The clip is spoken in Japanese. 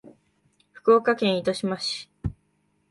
福岡県糸島市